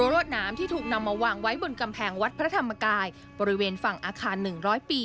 รวดน้ำที่ถูกนำมาวางไว้บนกำแพงวัดพระธรรมกายบริเวณฝั่งอาคาร๑๐๐ปี